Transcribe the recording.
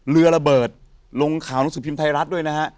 ระเบิดลงข่าวหนังสือพิมพ์ไทยรัฐด้วยนะฮะ